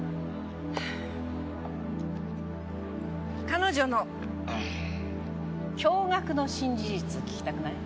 彼女の驚愕の新事実聞きたくない？